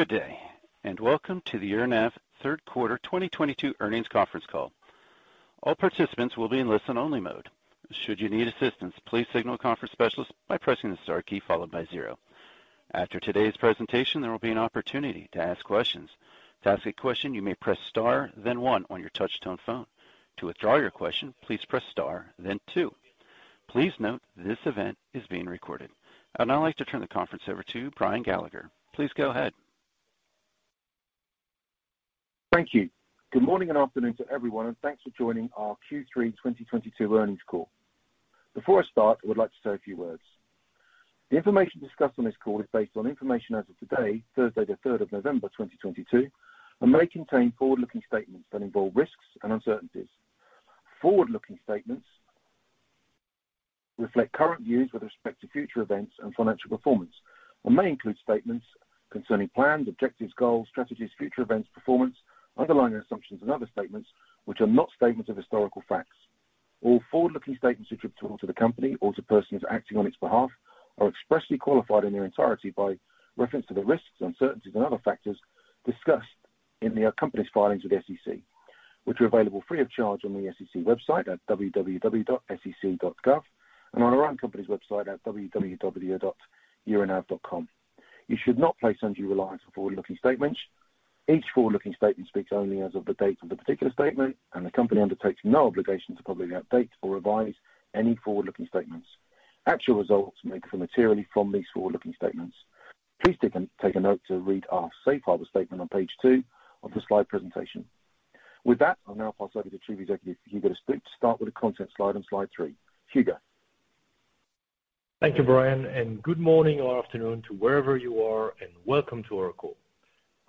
Good day, and welcome to the Euronav third quarter 2022 earnings conference call. All participants will be in listen-only mode. Should you need assistance, please signal a conference specialist by pressing the star key followed by zero. After today's presentation, there will be an opportunity to ask questions. To ask a question, you may press star then one on your touch tone phone. To withdraw your question, please press star then two. Please note this event is being recorded. I'd now like to turn the conference over to Brian Gallagher. Please go ahead. Thank you. Good morning and afternoon to everyone, and thanks for joining our Q3 2022 earnings call. Before I start, I would like to say a few words. The information discussed on this call is based on information as of today, Thursday, the November 3rd, 2022, and may contain forward-looking statements that involve risks and uncertainties. Forward-looking statements reflect current views with respect to future events and financial performance and may include statements concerning plans, objectives, goals, strategies, future events, performance, underlying assumptions and other statements which are not statements of historical facts. All forward-looking statements attributable to the company or to persons acting on its behalf are expressly qualified in their entirety by reference to the risks, uncertainties and other factors discussed in the company's filings with SEC, which are available free of charge on the SEC website at www.sec.gov and on our own company's website at www.euronav.com. You should not place undue reliance on forward-looking statements. Each forward-looking statement speaks only as of the date of the particular statement, and the company undertakes no obligation to publicly update or revise any forward-looking statements. Actual results may differ materially from these forward-looking statements. Please take a note to read our safe harbor statement on page two of the slide presentation. With that, I'll now pass over to Chief Executive Hugo De Stoop to start with the content slide on slide three. Hugo. Thank you, Brian, and good morning or afternoon to wherever you are and welcome to our call. I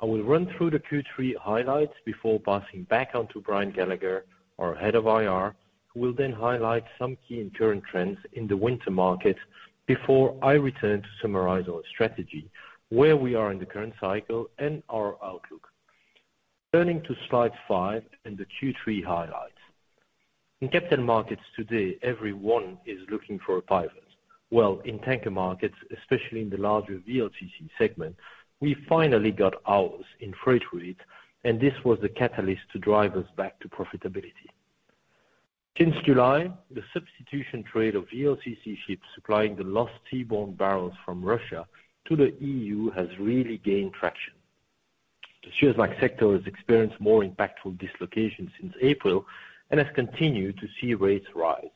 will run through the Q3 highlights before passing back on to Brian Gallagher, our head of IR, who will then highlight some key and current trends in the winter market before I return to summarize our strategy, where we are in the current cycle and our outlook. Turning to slide five and the Q3 highlights. In capital markets today, everyone is looking for a pivot. Well, in tanker markets, especially in the larger VLCC segment, we finally got ours in freight rate, and this was the catalyst to drive us back to profitability. Since July, the substitution trade of VLCC ships supplying the lost seaborne barrels from Russia to the EU has really gained traction. The Suezmax sector has experienced more impactful dislocations since April and has continued to see rates rise.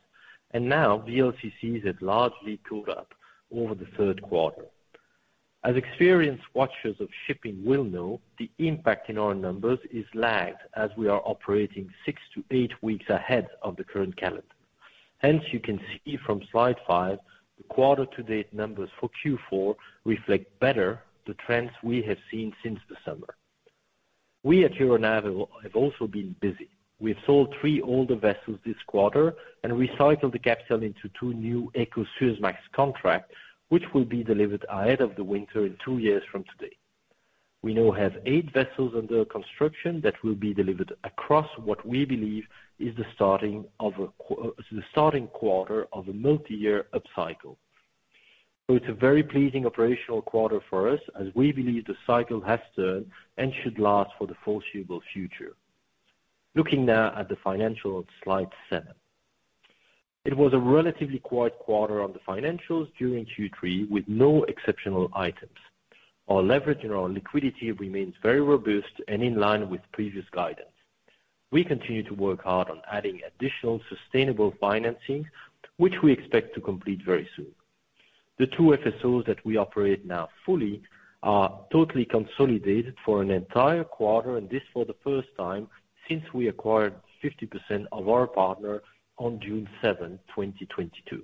Now VLCCs have largely caught up over the third quarter. As experienced watchers of shipping will know, the impact in our numbers is lagged as we are operating six to eight weeks ahead of the current calendar. Hence, you can see from slide 5, the quarter to date numbers for Q4 reflect better the trends we have seen since the summer. We at Euronav have also been busy. We've sold three older vessels this quarter and recycled the capital into two new Eco Suezmax contracts, which will be delivered ahead of the winter in two years from today. We now have eight vessels under construction that will be delivered across what we believe is the starting quarter of a multi-year upcycle. It's a very pleasing operational quarter for us as we believe the cycle has turned and should last for the foreseeable future. Looking now at the financial on slide seven. It was a relatively quiet quarter on the financials during Q3 with no exceptional items. Our leverage and our liquidity remains very robust and in line with previous guidance. We continue to work hard on adding additional sustainable financing, which we expect to complete very soon. The two FSOs that we operate now fully are totally consolidated for an entire quarter, and this for the first time since we acquired 50% of our partner on June 7, 2022.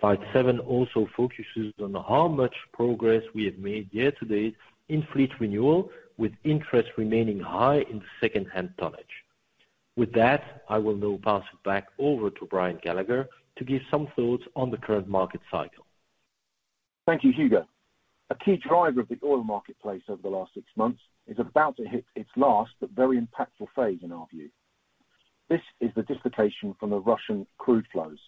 Slide seven also focuses on how much progress we have made year to date in fleet renewal, with interest remaining high in secondhand tonnage. With that, I will now pass it back over to Brian Gallagher to give some thoughts on the current market cycle. Thank you, Hugo. A key driver of the oil marketplace over the last six months is about to hit its last but very impactful phase in our view. This is the dislocation from the Russian crude flows.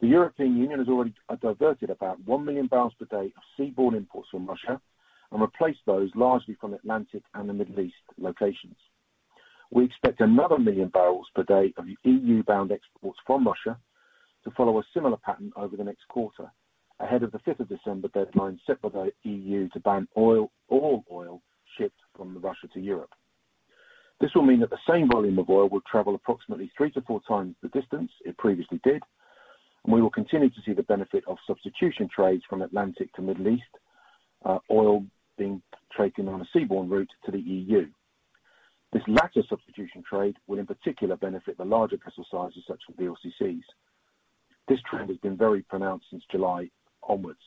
The European Union has already diverted about one million barrels per day of seaborne imports from Russia and replaced those largely from Atlantic and the Middle East locations. We expect another one million barrels per day of EU-bound exports from Russia to follow a similar pattern over the next quarter, ahead of the December 5th deadline set by the EU to ban oil, all oil shipped from Russia to Europe. This will mean that the same volume of oil will travel approximately three-four times the distance it previously did, and we will continue to see the benefit of substitution trades from Atlantic to Middle East, oil being traded on a seaborne route to the EU. This latter substitution trade will in particular benefit the larger vessel sizes such as VLCCs. This trend has been very pronounced since July onwards.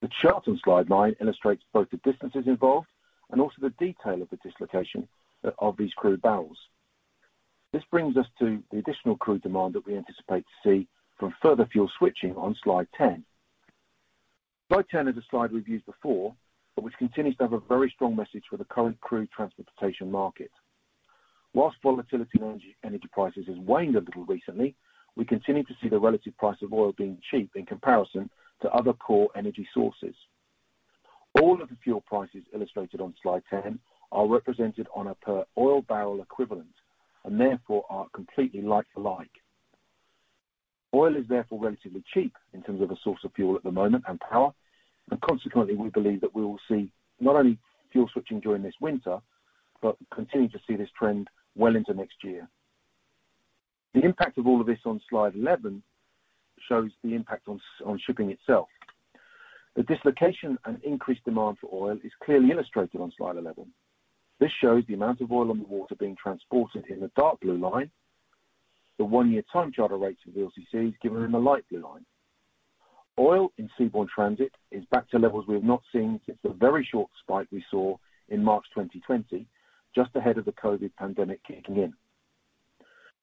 The chart on slide nine illustrates both the distances involved and also the detail of the dislocation of these crude barrels. This brings us to the additional crude demand that we anticipate to see from further fuel switching on slide 10. Slide ten is a slide we've used before, but which continues to have a very strong message for the current crude transportation market. While volatility in energy prices has waned a little recently, we continue to see the relative price of oil being cheap in comparison to other core energy sources. All of the fuel prices illustrated on slide ten are represented on a per oil barrel equivalent and therefore are completely like for like. Oil is therefore relatively cheap in terms of a source of fuel at the moment and power, and consequently, we believe that we will see not only fuel switching during this winter, but continue to see this trend well into next year. The impact of all of this on slide eleven shows the impact on shipping itself. The dislocation and increased demand for oil is clearly illustrated on slide eleven. This shows the amount of oil on the water being transported in the dark blue line. The one-year time charter rates of VLCC is given in the light blue line. Oil in seaborne transit is back to levels we have not seen since the very short spike we saw in March 2020, just ahead of the COVID pandemic kicking in.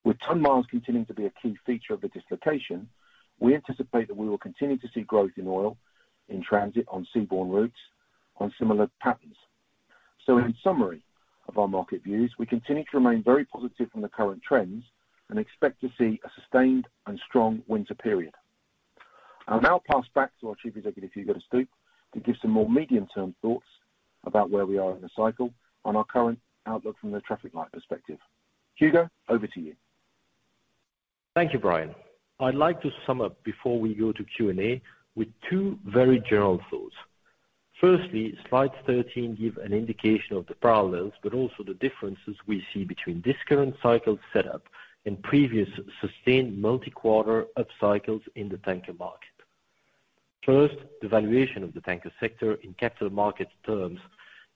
With ton miles continuing to be a key feature of the dislocation, we anticipate that we will continue to see growth in oil in transit on seaborne routes on similar patterns. In summary of our market views, we continue to remain very positive on the current trends and expect to see a sustained and strong winter period. I'll now pass back to our Chief Executive, Hugo De Stoop, to give some more medium-term thoughts about where we are in the cycle on our current outlook from the traffic light perspective. Hugo, over to you. Thank you, Brian. I'd like to sum up before we go to Q&A with two very general thoughts. Firstly, slide 13 gives an indication of the parallels, but also the differences we see between this current cycle setup and previous sustained multi-quarter upcycles in the tanker market. First, the valuation of the tanker sector in capital market terms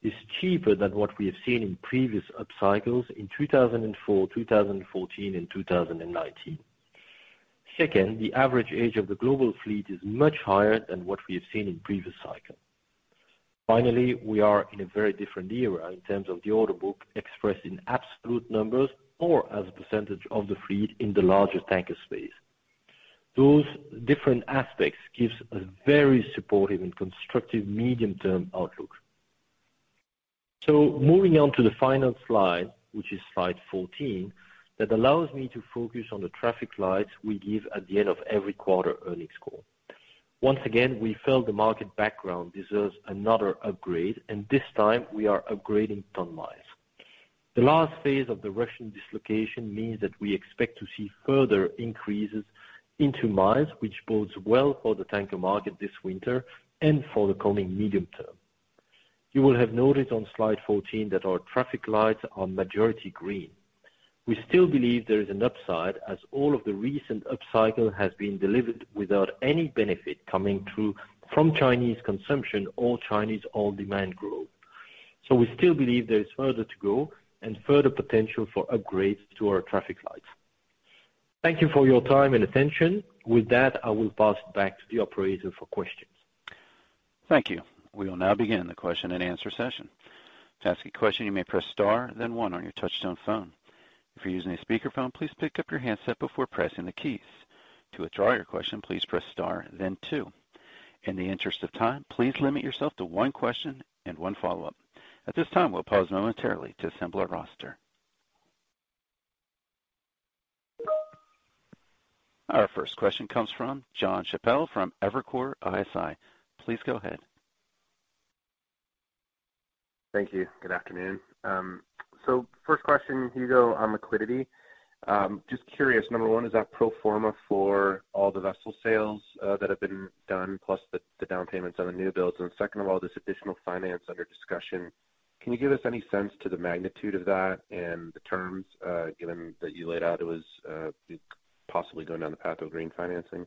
is cheaper than what we have seen in previous upcycles in 2004, 2014, and 2019. Second, the average age of the global fleet is much higher than what we have seen in previous cycle. Finally, we are in a very different era in terms of the order book expressed in absolute numbers or as a percentage of the fleet in the larger tanker space. Those different aspects give a very supportive and constructive medium-term outlook. Moving on to the final slide, which is slide 14, that allows me to focus on the traffic lights we give at the end of every quarter earnings call. Once again, we felt the market background deserves another upgrade, and this time we are upgrading ton miles. The last phase of the Russian dislocation means that we expect to see further increases in ton-miles, which bodes well for the tanker market this winter and for the coming medium term. You will have noticed on slide 14 that our traffic lights are majority green. We still believe there is an upside as all of the recent upcycle has been delivered without any benefit coming through from Chinese consumption or Chinese oil demand growth. We still believe there is further to go and further potential for upgrades to our traffic lights. Thank you for your time and attention. With that, I will pass it back to the operator for questions. Thank you. We will now begin the question and answer session. To ask a question, you may press star then one on your touchtone phone. If you're using a speakerphone, please pick up your handset before pressing the keys. To withdraw your question, please press star then two. In the interest of time, please limit yourself to one question and one follow-up. At this time, we'll pause momentarily to assemble our roster. Our first question comes from Jonathan Chappell from Evercore ISI. Please go ahead. Thank you. Good afternoon. First question, Hugo, on liquidity. Just curious, number one, is that pro forma for all the vessel sales that have been done, plus the down payments on the new builds? Second of all, this additional finance under discussion, can you give us any sense to the magnitude of that and the terms, given that you laid out it was possibly going down the path of green financing?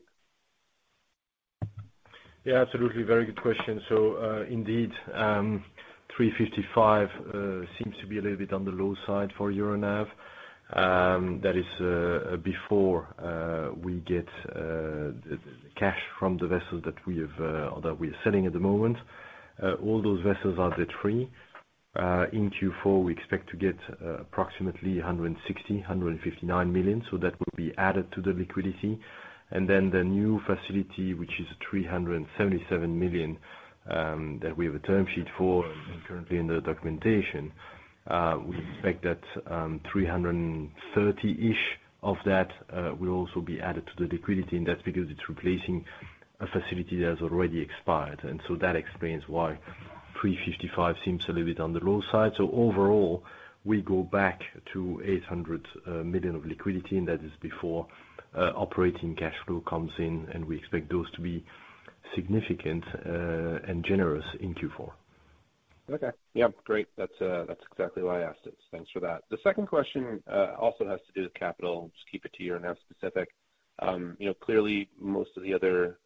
Yeah, absolutely. Very good question. Indeed, 355 seems to be a little bit on the low side for Euronav. That is before we get cash from the vessels that we have that we are selling at the moment. All those vessels are debt free. In Q4, we expect to get approximately $159 million, so that will be added to the liquidity. Then the new facility, which is $377 million, that we have a term sheet for and currently in the documentation, we expect that 330-ish of that will also be added to the liquidity, and that's because it's replacing a facility that has already expired. That explains why 355 seems a little bit on the low side. Overall, we go back to $800 million of liquidity, and that is before operating cash flow comes in, and we expect those to be significant and generous in Q4. Okay. Yeah, great. That's exactly why I asked it. Thanks for that. The second question also has to do with capital. Just keep it to your own specific. You know, clearly most of the other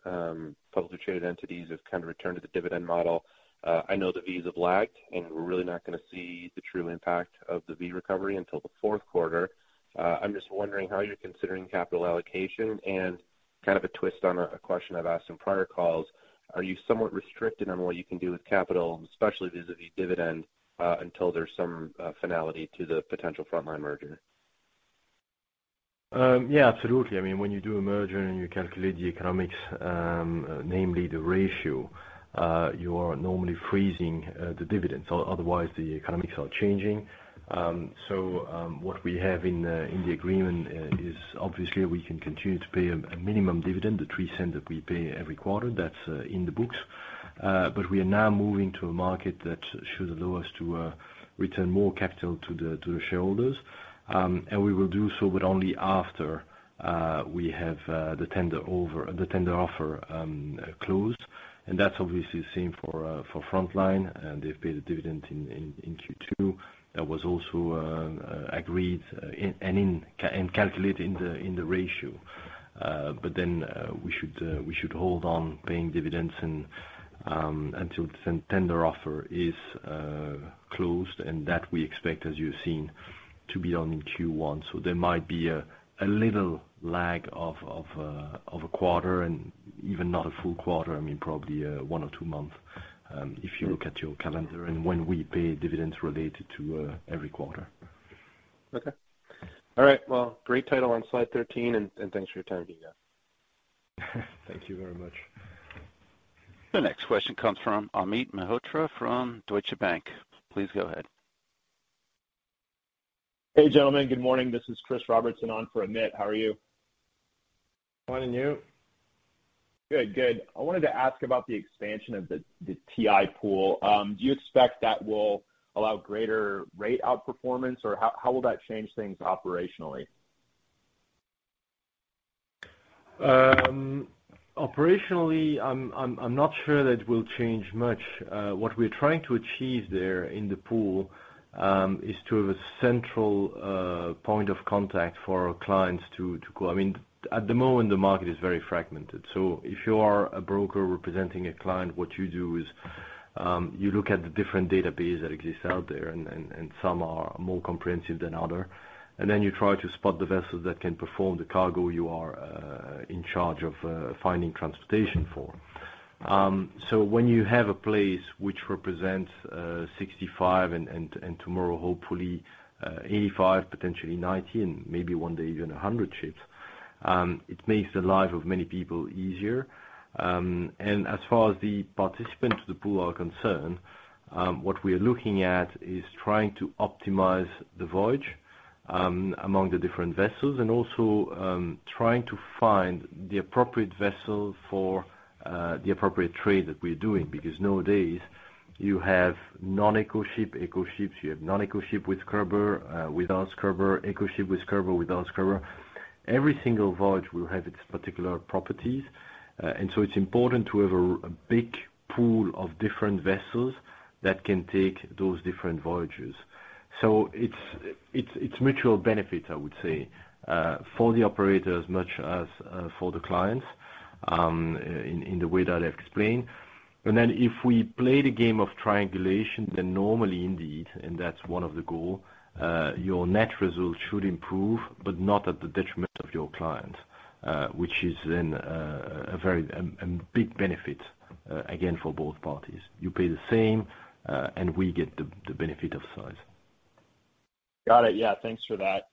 publicly traded entities have kind of returned to the dividend model. I know the V's have lagged, and we're really not gonna see the true impact of the V recovery until the fourth quarter. I'm just wondering how you're considering capital allocation and kind of a twist on a question I've asked in prior calls. Are you somewhat restricted on what you can do with capital, especially vis-à-vis dividend, until there's some finality to the potential Frontline merger? Yeah, absolutely. I mean, when you do a merger and you calculate the economics, namely the ratio, you are normally freezing the dividends. Otherwise, the economics are changing. What we have in the agreement is obviously we can continue to pay a minimum dividend, the $0.03 that we pay every quarter. That's in the books. We are now moving to a market that should allow us to return more capital to the shareholders. We will do so, but only after we have the tender offer closed. That's obviously the same for Frontline. They've paid a dividend in Q2. That was also agreed and calculated in the ratio. We should hold on paying dividends until the tender offer is closed, and that we expect, as you've seen, to be done in Q1. There might be a little lag of a quarter and even not a full quarter. I mean, probably one or two months, if you look at your calendar and when we pay dividends related to every quarter. Okay. All right. Well, great title on slide 13, and thanks for your time, Hugo. Thank you very much. The next question comes from Amit Mehrotra from Deutsche Bank. Please go ahead. Hey, gentlemen. Good morning. This is Chris Robertson on for Amit. How are you? Fine. You? Good. Good. I wanted to ask about the expansion of the TI Pool. Do you expect that will allow greater rate outperformance? Or how will that change things operationally? Operationally, I'm not sure that will change much. What we're trying to achieve there in the pool is to have a central point of contact for our clients to go. I mean, at the moment, the market is very fragmented. If you are a broker representing a client, what you do is, you look at the different database that exists out there, and some are more comprehensive than other. You try to spot the vessels that can perform the cargo you are in charge of finding transportation for. When you have a place which represents 65, and tomorrow, hopefully, 85, potentially 90, and maybe one day even 100 ships, it makes the life of many people easier. As far as the participants of the pool are concerned, what we are looking at is trying to optimize the voyage among the different vessels, and also trying to find the appropriate vessel for the appropriate trade that we're doing. Because nowadays you have non-eco ship, eco ships, you have non-eco ship with scrubber, without scrubber, eco ship with scrubber, without scrubber. Every single voyage will have its particular properties. It's important to have a big pool of different vessels that can take those different voyages. It's mutual benefit, I would say, for the operator as much as for the clients, in the way that I've explained. If we play the game of triangulation, then normally indeed, and that's one of the goals, your net results should improve, but not at the detriment of your client, which is then a big benefit, again, for both parties. You pay the same, and we get the benefit of size. Got it. Yeah, thanks for that.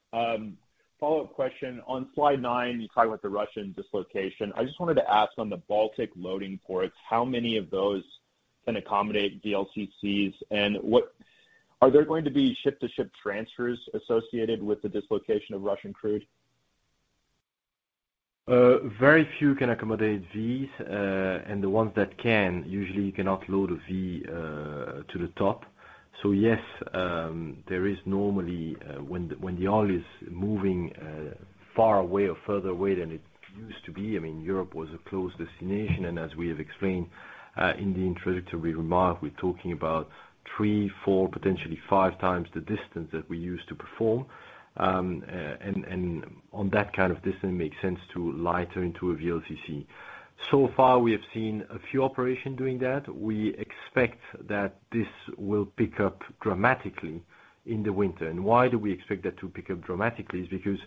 Follow-up question. On slide nine, you talk about the Russian dislocation. I just wanted to ask on the Baltic loading ports, how many of those can accommodate VLCCs, and are there going to be ship-to-ship transfers associated with the dislocation of Russian crude? Very few can accommodate these. The ones that can, usually you cannot load a VLCC to the top. Yes, there is normally, when the oil is moving far away or further away than it used to be. I mean, Europe was a closed destination. As we have explained in the introductory remark, we're talking about three, four, potentially five times the distance that we used to perform. On that kind of distance, it makes sense to lightering into a VLCC. So far, we have seen a few operations doing that. We expect that this will pick up dramatically in the winter. Why do we expect that to pick up dramatically? It's because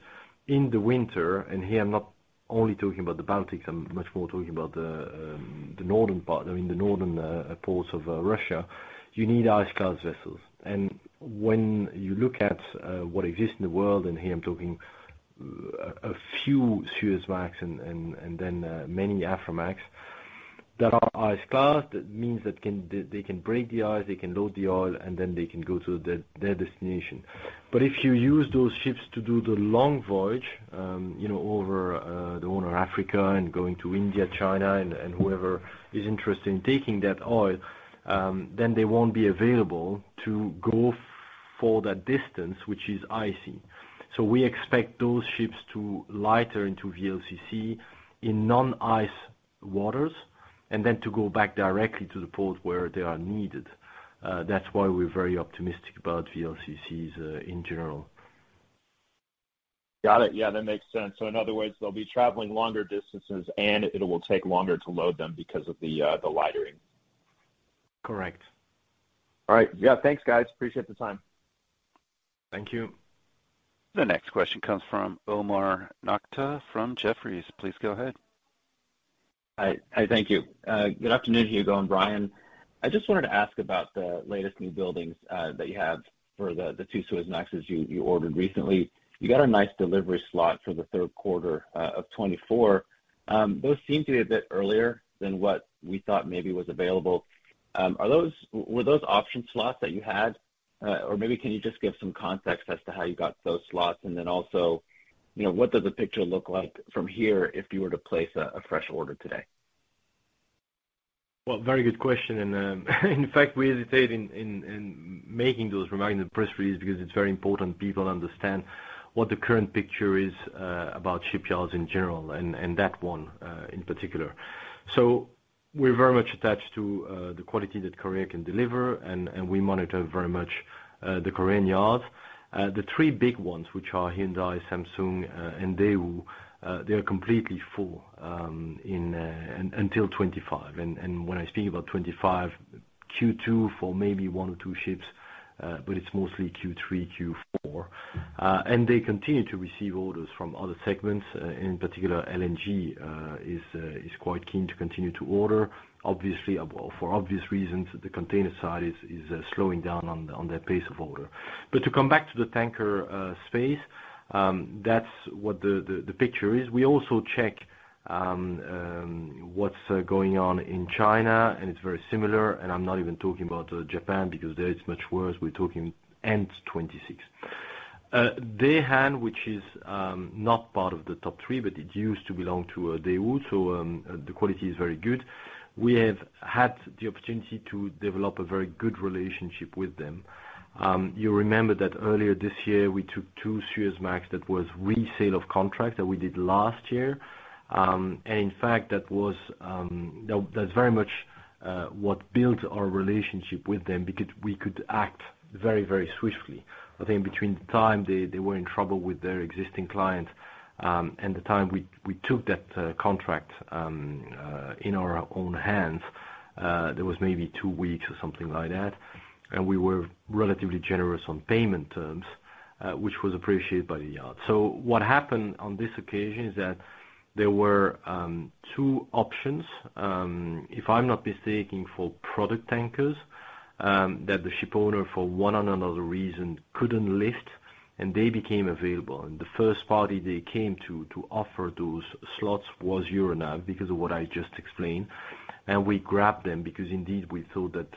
in the winter, and here I'm not only talking about the Baltics, I'm much more talking about the northern part, I mean the northern ports of Russia. You need ice class vessels. When you look at what exists in the world, and here I'm talking a few Suezmax and then many Aframax that are ice class, that means they can break the ice, they can load the oil, and then they can go to their destination. If you use those ships to do the long voyage, you know, over around Africa and going to India, China, and whoever is interested in taking that oil, then they won't be available to go for that distance, which is icy. We expect those ships to lightering into VLCC in non-ice waters, and then to go back directly to the port where they are needed. That's why we're very optimistic about VLCCs in general. Got it. Yeah, that makes sense. In other words, they'll be traveling longer distances, and it will take longer to load them because of the lightering. Correct. All right. Yeah. Thanks, guys. Appreciate the time. Thank you. The next question comes from Omar Nokta from Jefferies. Please go ahead. Good afternoon, Hugo and Brian. I just wanted to ask about the latest new buildings that you have for the two Suezmaxes you ordered recently. You got a nice delivery slot for the third quarter of 2024. Those seem to be a bit earlier than what we thought maybe was available. Were those option slots that you had? Or maybe can you just give some context as to how you got those slots? Then also, you know, what does the picture look like from here if you were to place a fresh order today? Well, very good question. In fact, we hesitate in making those remarks in the press release because it's very important people understand what the current picture is about shipyards in general and that one in particular. We're very much attached to the quality that Korea can deliver, and we monitor very much the Korean yard. The three big ones, which are Hyundai, Samsung, and Daewoo, they are completely full until 2025. When I speak about 2025, Q2 for maybe one or two ships, but it's mostly Q3, Q4. They continue to receive orders from other segments. In particular, LNG is quite keen to continue to order. Obviously, well, for obvious reasons, the container side is slowing down on their pace of order. To come back to the tanker space, that's what the picture is. We also check what's going on in China, and it's very similar, and I'm not even talking about Japan, because there it's much worse. We're talking end 2026. Daehan, which is not part of the top three, but it used to belong to Daewoo, so the quality is very good. We have had the opportunity to develop a very good relationship with them. You remember that earlier this year, we took two Suezmax that was resale of contracts that we did last year. In fact, that was. That's very much what built our relationship with them because we could act very, very swiftly. I think between the time they were in trouble with their existing clients, and the time we took that contract in our own hands, there was maybe two weeks or something like that. We were relatively generous on payment terms, which was appreciated by the yard. What happened on this occasion is that there were two options, if I'm not mistaken, for product tankers, that the shipowner, for one or another reason, couldn't lift, and they became available. The first party they came to offer those slots was Euronav because of what I just explained, and we grabbed them because indeed we thought that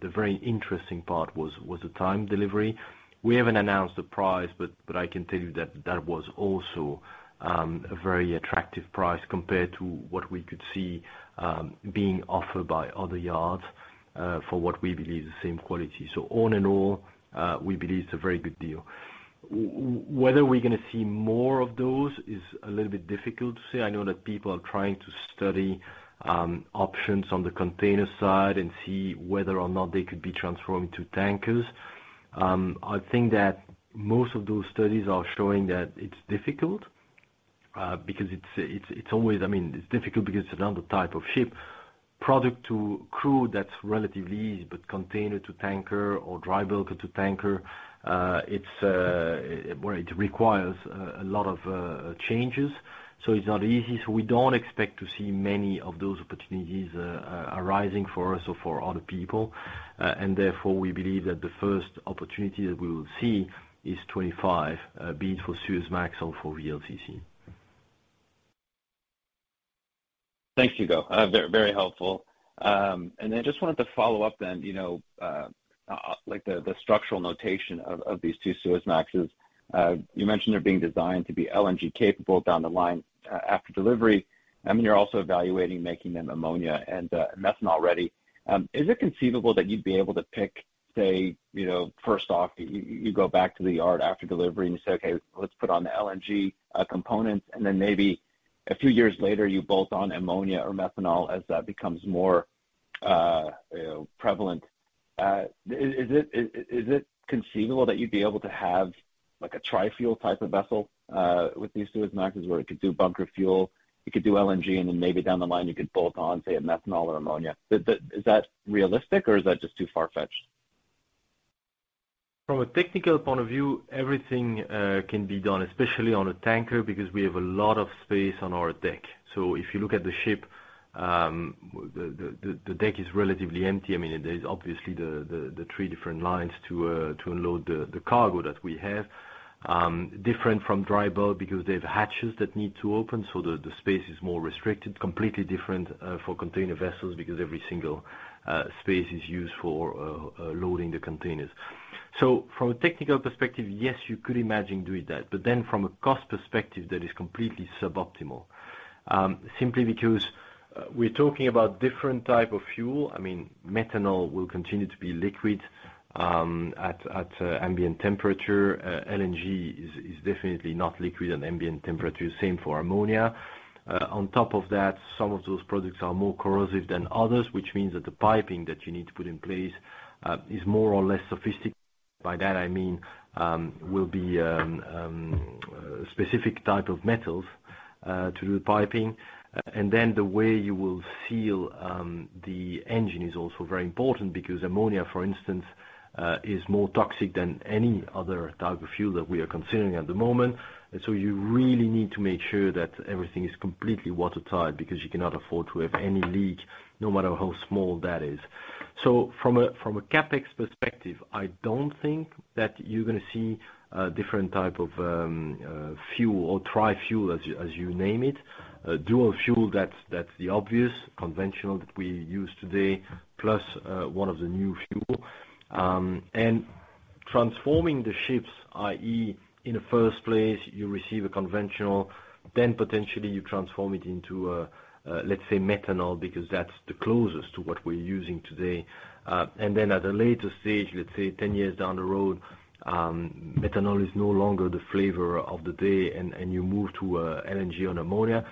the very interesting part was the timely delivery. We haven't announced the price, but I can tell you that was also a very attractive price compared to what we could see being offered by other yards for what we believe the same quality. All in all, we believe it's a very good deal. Whether we're gonna see more of those is a little bit difficult to say. I know that people are trying to study options on the container side and see whether or not they could be transformed to tankers. I think that most of those studies are showing that it's difficult because it's always. I mean, it's difficult because it's another type of ship. Product to crew, that's relatively easy, but container to tanker or dry bulk to tanker, it's, well, it requires a lot of changes, so it's not easy. We don't expect to see many of those opportunities arising for us or for other people. Therefore, we believe that the first opportunity that we will see is 2025, be it for Suezmax or for VLCC. Thanks, Hugo. Very helpful. Just wanted to follow up then, you know, like the structural notation of these two Suezmaxes. You mentioned they're being designed to be LNG-capable down the line, after delivery. I mean, you're also evaluating making them ammonia and methanol ready. Is it conceivable that you'd be able to pick, say, you know, first off, you go back to the yard after delivery and you say, "Okay, let's put on the LNG components," and then maybe a few years later, you bolt on ammonia or methanol as that becomes more, you know, prevalent. Is it conceivable that you'd be able to have like a tri-fuel type of vessel with these Suezmaxes where it could do bunker fuel, it could do LNG, and then maybe down the line you could bolt on, say, a methanol or ammonia? Is that realistic or is that just too far-fetched? From a technical point of view, everything can be done, especially on a tanker, because we have a lot of space on our deck. If you look at the ship, the deck is relatively empty. I mean, there's obviously the three different lines to unload the cargo that we have. Different from dry bulk because they have hatches that need to open, so the space is more restricted. Completely different for container vessels because every single space is used for loading the containers. From a technical perspective, yes, you could imagine doing that. Then from a cost perspective, that is completely suboptimal. Simply because we're talking about different type of fuel. I mean, methanol will continue to be liquid at ambient temperature. LNG is definitely not liquid at ambient temperature. Same for ammonia. On top of that, some of those products are more corrosive than others, which means that the piping that you need to put in place is more or less sophisticated. By that I mean, will be specific type of metals to do the piping. The way you will seal the engine is also very important because ammonia, for instance, is more toxic than any other type of fuel that we are considering at the moment. You really need to make sure that everything is completely watertight because you cannot afford to have any leak, no matter how small that is. From a CapEx perspective, I don't think that you're gonna see different type of fuel or tri-fuel as you name it. Dual fuel, that's the obvious conventional that we use today, plus one of the new fuel. Transforming the ships, i.e., in the first place, you receive a conventional, then potentially you transform it into a let's say methanol, because that's the closest to what we're using today. Then at a later stage, let's say 10 years down the road, methanol is no longer the flavor of the day and you move to LNG or ammonia.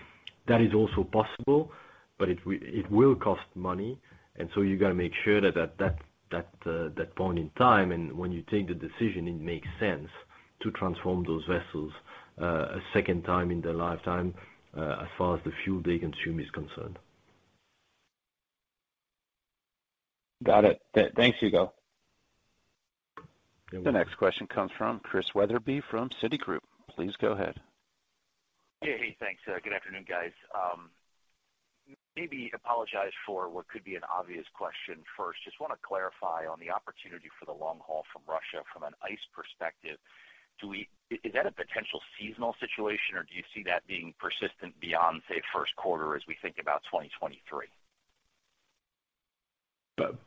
That is also possible, but it will cost money, and so you gotta make sure that at that point in time and when you take the decision, it makes sense to transform those vessels, a second time in their lifetime, as far as the fuel they consume is concerned. Got it. Thanks, Hugo. You're welcome. The next question comes from Chris Wetherbee from Citigroup. Please go ahead. Yeah. Hey, thanks. Good afternoon, guys. Maybe apologize for what could be an obvious question first. Just wanna clarify on the opportunity for the long haul from Russia from an ice perspective. Is that a potential seasonal situation, or do you see that being persistent beyond, say, first quarter, as we think about 2023?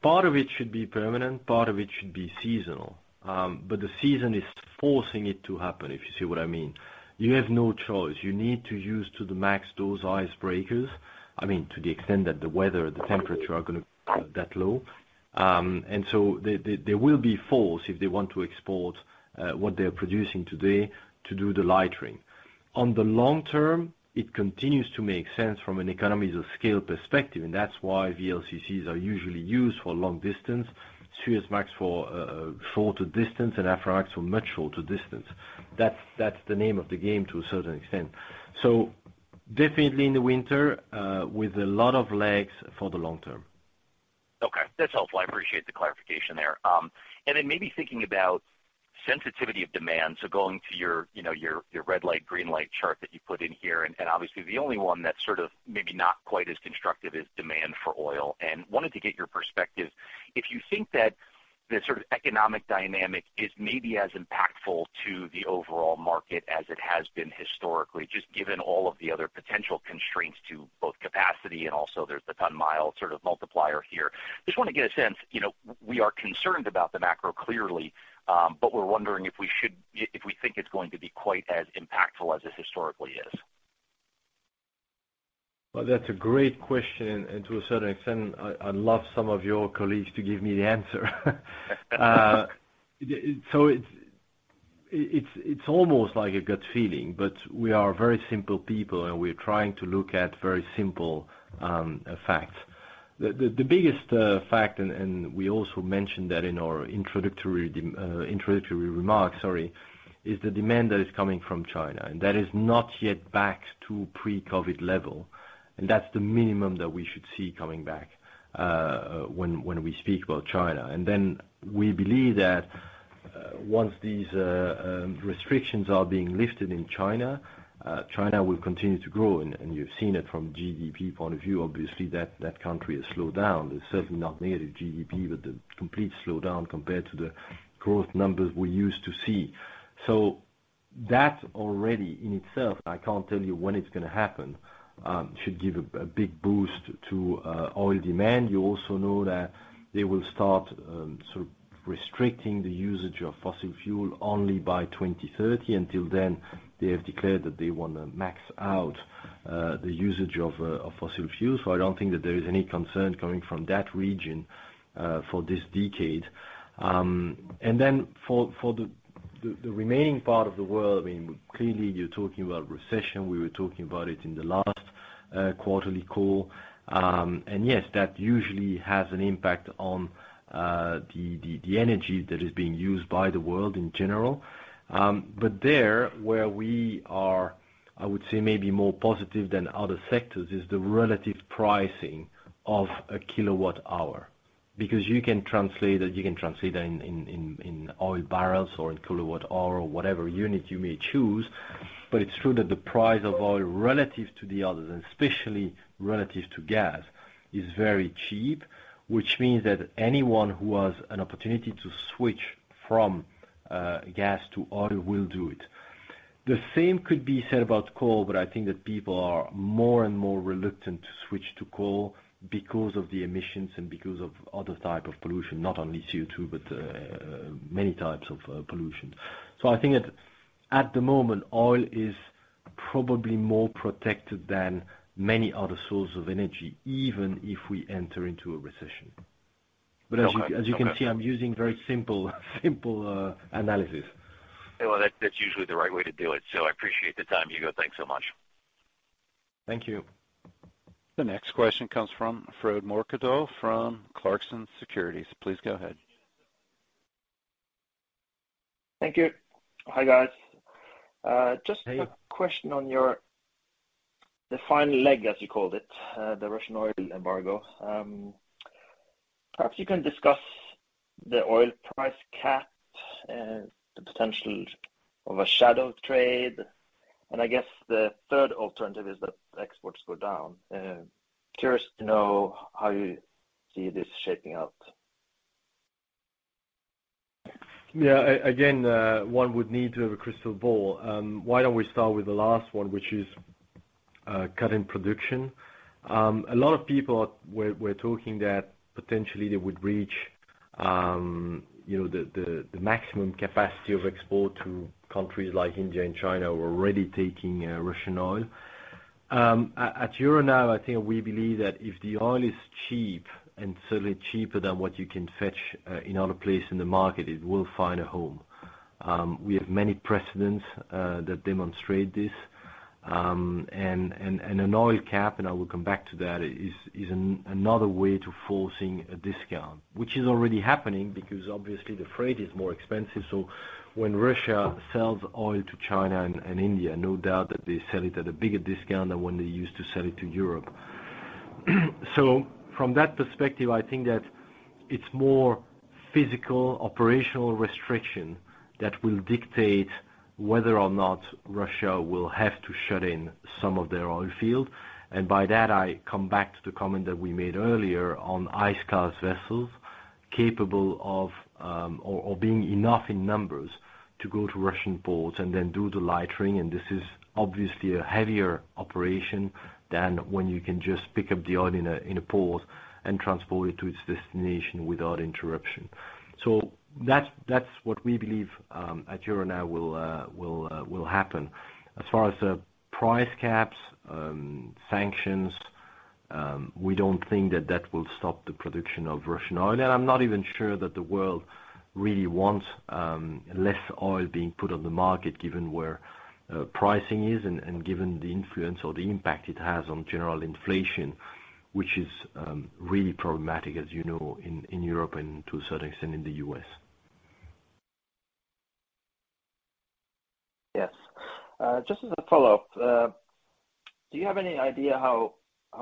Part of it should be permanent, part of it should be seasonal. The season is forcing it to happen, if you see what I mean. You have no choice. You need to use to the max those icebreakers. I mean, to the extent that the weather, the temperature are gonna be that low. They will be forced if they want to export what they are producing today to do the lightering. On the long term, it continues to make sense from an economies of scale perspective, and that's why VLCCs are usually used for long distance, Suezmax for shorter distance, and Aframax for much shorter distance. That's the name of the game to a certain extent. Definitely in the winter with a lot of legs for the long term. Okay. That's helpful. I appreciate the clarification there. Then maybe thinking about sensitivity of demand, so going to your you know your red light green light chart that you put in here, and obviously the only one that sort of maybe not quite as constructive is demand for oil. Wanted to get your perspective, if you think that the sort of economic dynamic is maybe as impactful to the overall market as it has been historically, just given all of the other potential constraints to both capacity and also there's the ton-mile sort of multiplier here. Just wanna get a sense. You know, we are concerned about the macro clearly, but we're wondering if we think it's going to be quite as impactful as this historically is. Well, that's a great question, and to a certain extent, I'd love some of your colleagues to give me the answer. So it's almost like a gut feeling, but we are very simple people, and we're trying to look at very simple facts. The biggest fact, and we also mentioned that in our introductory remarks, sorry, is the demand that is coming from China, and that is not yet back to pre-COVID level, and that's the minimum that we should see coming back, when we speak about China. You've seen it from GDP point of view, obviously, that country has slowed down. It's certainly not negative GDP, but the complete slowdown compared to the growth numbers we used to see. That already in itself, I can't tell you when it's gonna happen, should give a big boost to oil demand. You also know that they will start sort of restricting the usage of fossil fuel only by 2030. Until then, they have declared that they wanna max out the usage of fossil fuels. I don't think that there is any concern coming from that region for this decade. Then for the remaining part of the world, I mean, clearly you're talking about recession. We were talking about it in the last quarterly call. Yes, that usually has an impact on the energy that is being used by the world in general. But there where we are, I would say maybe more positive than other sectors, is the relative pricing of a kilowatt hour. Because you can translate that in oil barrels or in kilowatt hour or whatever unit you may choose, but it's true that the price of oil relative to the others, and especially relative to gas, is very cheap. Which means that anyone who has an opportunity to switch from gas to oil will do it. The same could be said about coal, but I think that people are more and more reluctant to switch to coal because of the emissions and because of other type of pollution, not only CO2, but many types of pollution. I think at the moment, oil is probably more protected than many other sources of energy, even if we enter into a recession. Okay. Okay. As you can see, I'm using very simple analysis. Well, that's usually the right way to do it, so I appreciate the time, Hugo. Thanks so much. Thank you. The next question comes from Frode Mørkedal from Clarksons Securities. Please go ahead. Thank you. Hi, guys. Just a question on the final leg, as you called it, the Russian oil embargo. Perhaps you can discuss the oil price cap, the potential of a shadow fleet, and I guess the third alternative is that exports go down. Curious to know how you see this shaping up. Again, one would need to have a crystal ball. Why don't we start with the last one, which is cut in production. A lot of people were talking that potentially they would reach, you know, the maximum capacity of export to countries like India and China who are already taking Russian oil. At Euronav, I think we believe that if the oil is cheap, and certainly cheaper than what you can fetch in other places in the market, it will find a home. We have many precedents that demonstrate this, and an oil cap, and I will come back to that, is another way of forcing a discount, which is already happening because obviously the freight is more expensive. When Russia sells oil to China and India, no doubt that they sell it at a bigger discount than when they used to sell it to Europe. From that perspective, I think that it's more physical operational restriction that will dictate whether or not Russia will have to shut in some of their oil field. By that, I come back to the comment that we made earlier on ice class vessels capable of being enough in numbers to go to Russian ports and then do the lightering, and this is obviously a heavier operation than when you can just pick up the oil in a port and transport it to its destination without interruption. That's what we believe at Euronav will happen. As far as the price caps, sanctions, we don't think that will stop the production of Russian oil. I'm not even sure that the world really wants less oil being put on the market, given where pricing is and given the influence or the impact it has on general inflation, which is really problematic, as you know, in Europe and to a certain extent in the U.S.. Yes. Just as a follow-up, do you have any idea how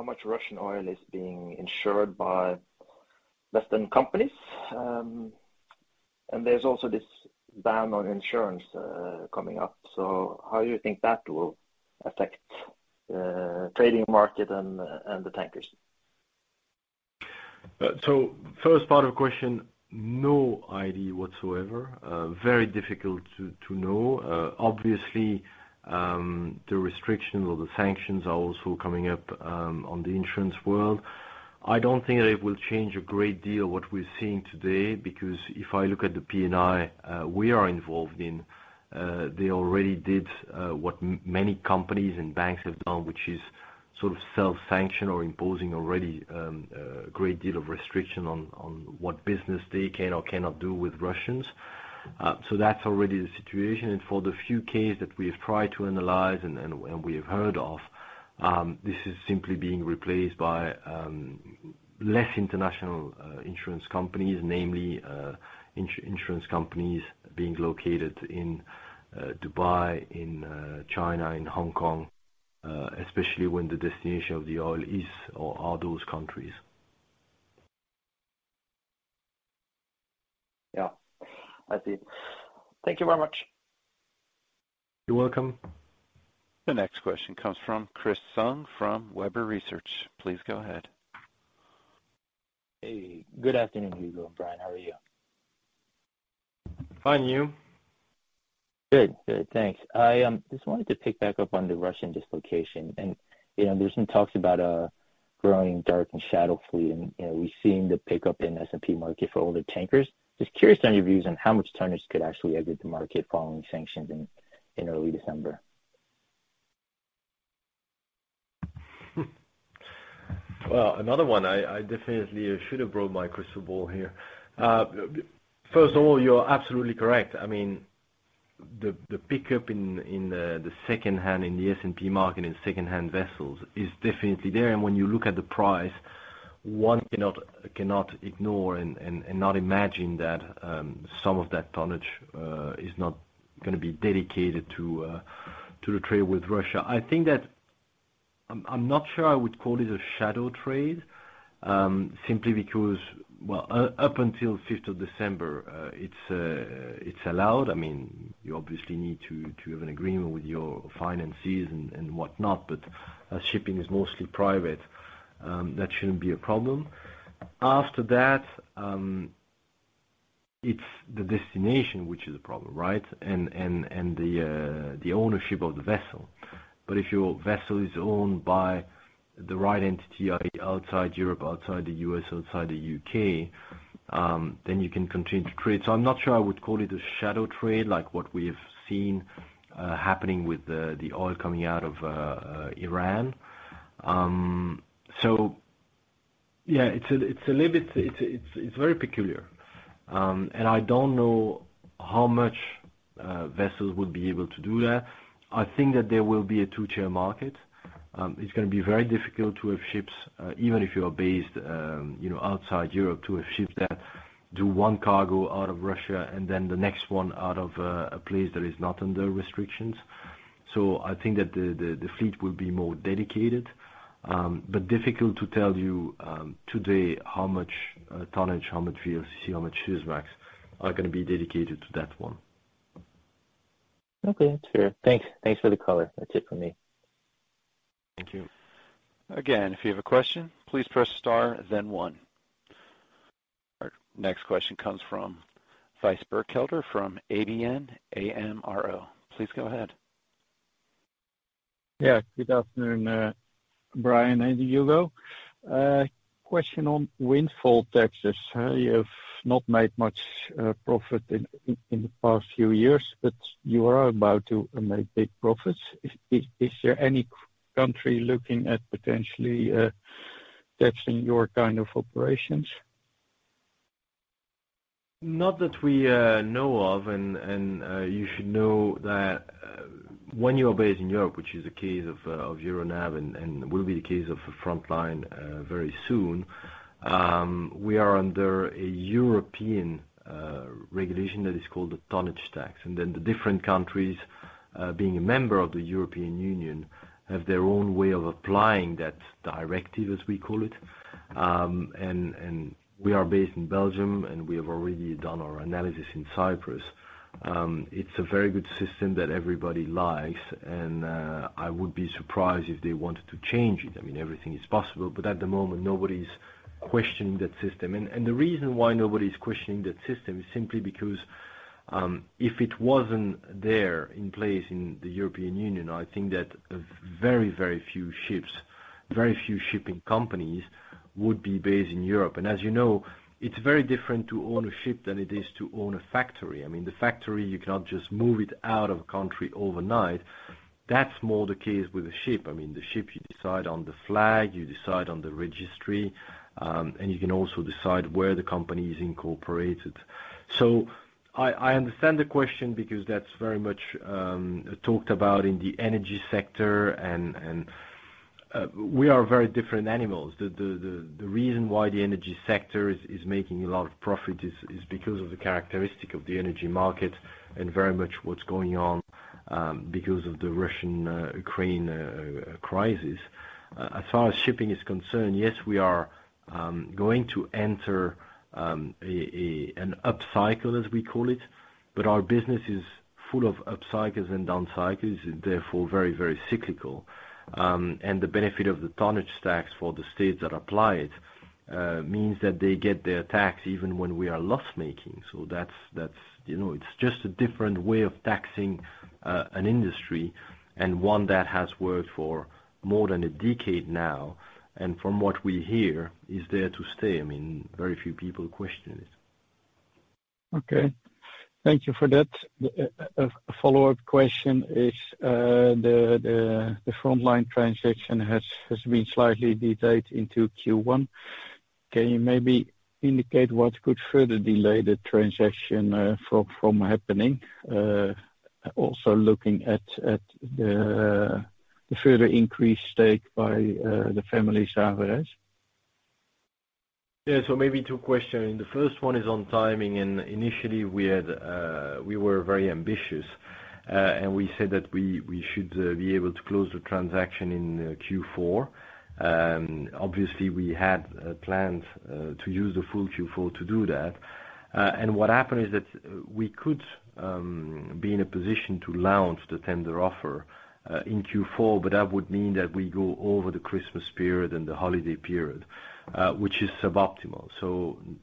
much Russian oil is being insured by Western companies? There's also this ban on insurance coming up. How do you think that will affect the trading market and the tankers? First part of the question, no idea whatsoever. Very difficult to know. Obviously, the restrictions or the sanctions are also coming up on the insurance world. I don't think that it will change a great deal what we're seeing today, because if I look at the P&I we are involved in, they already did what many companies and banks have done, which is sort of self-sanction or imposing already a great deal of restriction on what business they can or cannot do with Russians. That's already the situation. For the few cases that we have tried to analyze and we have heard of, this is simply being replaced by less international insurance companies, namely, insurance companies being located in Dubai, in China, in Hong Kong, especially when the destination of the oil is or are those countries. Yeah. I see. Thank you very much. You're welcome. The next question comes from Chris Tsung from Webber Research. Please go ahead. Hey, good afternoon, Hugo and Brian. How are you? Fine. You? Good. Thanks. I just wanted to pick back up on the Russian dislocation and, you know, there's some talks about a growing dark and shadow fleet and, you know, we've seen the pickup in S&P market for older tankers. Just curious on your views on how much tonnage could actually exit the market following sanctions in early December. Well, another one I definitely should have brought my crystal ball here. First of all, you're absolutely correct. I mean, the pickup in the second-hand in the S&P market and second-hand vessels is definitely there. When you look at the price, one cannot ignore and not imagine that some of that tonnage is not gonna be dedicated to the trade with Russia. I think that I'm not sure I would call it a shadow trade, simply because, well, up until fifth of December, it's allowed. I mean, you obviously need to have an agreement with your finances and whatnot, but shipping is mostly private, that shouldn't be a problem. After that, it's the destination which is a problem, right? The ownership of the vessel. If your vessel is owned by the right entity, outside Europe, outside the U.S., outside the U.K., then you can continue to trade. I'm not sure I would call it a shadow trade like what we have seen happening with the oil coming out of Iran. Yeah, it's very peculiar. I don't know how much vessels would be able to do that. I think that there will be a two-tier market. It's gonna be very difficult to have ships, even if you are based, you know, outside Europe, to have ships that do one cargo out of Russia and then the next one out of a place that is not under restrictions. I think that the fleet will be more dedicated, but difficult to tell you today how much tonnage, how much VLCC, how much Suezmax are gonna be dedicated to that one. Okay. That's fair. Thanks. Thanks for the color. That's it for me. Thank you. Again, if you have a question, please press star then one. Our next question comes from Thijs Berkelder from ABN AMRO. Please go ahead. Yeah. Good afternoon, Brian and Hugo. Question on windfall taxes. You have not made much profit in the past few years, but you are about to make big profits. Is there any country looking at potentially taxing your kind of operations? Not that we know of. You should know that when you are based in Europe, which is the case of Euronav and will be the case of Frontline very soon, we are under a European regulation that is called the tonnage tax. Then the different countries being a member of the European Union have their own way of applying that directive, as we call it. We are based in Belgium, and we have already done our analysis in Cyprus. It's a very good system that everybody likes, and I would be surprised if they wanted to change it. I mean, everything is possible, but at the moment nobody's questioning that system. The reason why nobody's questioning that system is simply because if it wasn't in place in the European Union, I think that very, very few ships, very few shipping companies would be based in Europe. As you know, it's very different to own a ship than it is to own a factory. I mean, the factory, you cannot just move it out of country overnight. That's more the case with the ship. I mean, the ship you decide on the flag, you decide on the registry, and you can also decide where the company is incorporated. I understand the question because that's very much talked about in the energy sector and we are very different animals. The reason why the energy sector is making a lot of profit is because of the characteristic of the energy market and very much what's going on because of the Russian Ukraine crisis. As far as shipping is concerned, yes, we are going to enter an upcycle as we call it, but our business is full of upcycles and downcycles, therefore very cyclical. The benefit of the tonnage tax for the states that apply it means that they get their tax even when we are loss-making. That's, you know, it's just a different way of taxing an industry and one that has worked for more than a decade now, and from what we hear, is there to stay. I mean, very few people question it. Okay. Thank you for that. A follow-up question is the Frontline transaction has been slightly delayed into Q1. Can you maybe indicate what could further delay the transaction from happening? Also looking at the further increased stake by the family Saverys. Yeah. Maybe two questions. The first one is on timing. Initially we were very ambitious, and we said that we should be able to close the transaction in Q4. Obviously we had plans to use the full Q4 to do that. What happened is that we could be in a position to launch the tender offer in Q4, but that would mean that we go over the Christmas period and the holiday period, which is suboptimal.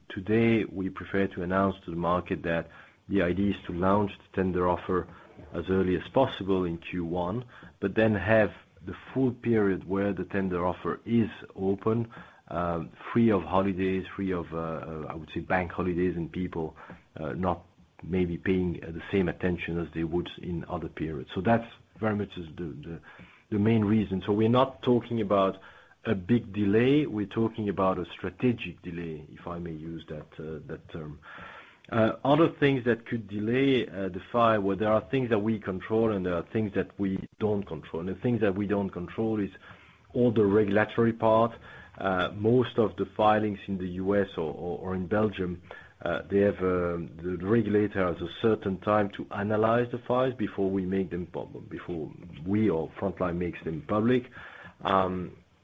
Today we prefer to announce to the market that the idea is to launch the tender offer as early as possible in Q1, but then have the full period where the tender offer is open, free of holidays, free of bank holidays and people maybe not paying the same attention as they would in other periods. That's very much the main reason. We're not talking about a big delay. We're talking about a strategic delay, if I may use that term. Other things that could delay the deal, there are things that we control and there are things that we don't control. The things that we don't control is all the regulatory part. Most of the filings in the U.S. or in Belgium, the regulator has a certain time to analyze the files before we or Frontline makes them public.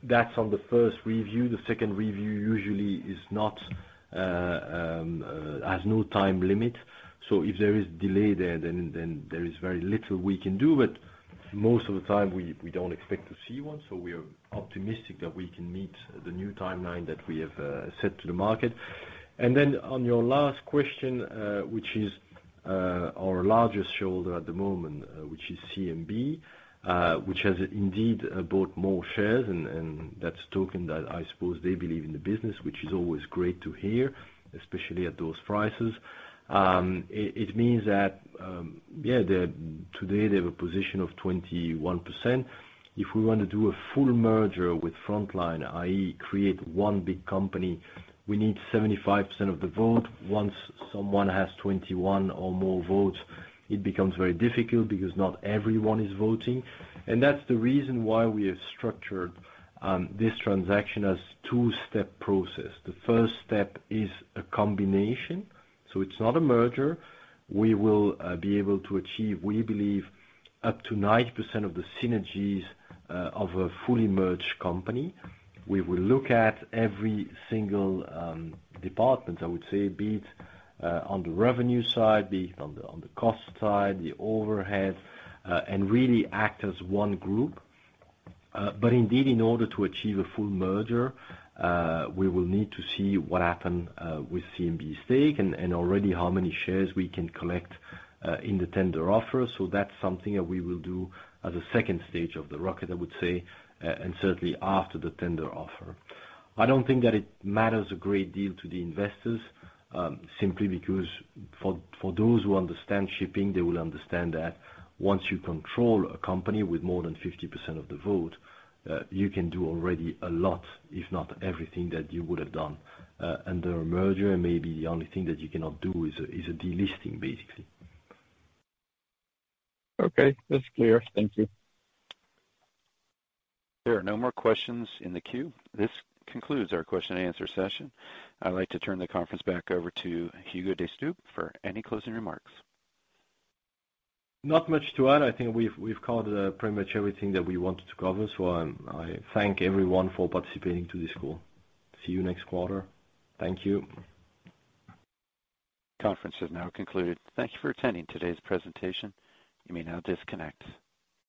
That's on the first review. The second review usually has no time limit. If there is delay there, then there is very little we can do. Most of the time we don't expect to see one. We are optimistic that we can meet the new timeline that we have set to the market. Then on your last question, which is our largest shareholder at the moment, which is CMB, which has indeed bought more shares, and that's a token that I suppose they believe in the business, which is always great to hear, especially at those prices. It means that today they have a position of 21%. If we wanna do a full merger with Frontline, i.e., create one big company, we need 75% of the vote. Once someone has 21 or more votes, it becomes very difficult because not everyone is voting. That's the reason why we have structured this transaction as a two-step process. The first step is a combination. It's not a merger. We will be able to achieve, we believe, up to 90% of the synergies of a fully merged company. We will look at every single department, I would say, be it on the revenue side, be it on the cost side, the overhead, and really act as one group. Indeed, in order to achieve a full merger, we will need to see what happened with CMB stake and already how many shares we can collect in the tender offer. That's something that we will do as a second stage of the rocket, I would say, and certainly after the tender offer. I don't think that it matters a great deal to the investors, simply because for those who understand shipping, they will understand that once you control a company with more than 50% of the vote, you can do already a lot, if not everything that you would have done. The merger may be the only thing that you cannot do is a delisting, basically. Okay. That's clear. Thank you. There are no more questions in the queue. This concludes our question and answer session. I'd like to turn the conference back over to Hugo De Stoop for any closing remarks. Not much to add. I think we've covered pretty much everything that we wanted to cover. I thank everyone for participating to this call. See you next quarter. Thank you. Conference is now concluded. Thank you for attending today's presentation. You may now disconnect.